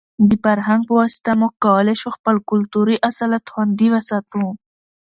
د فرهنګ په واسطه موږ کولای شو خپل کلتوري اصالت خوندي وساتو.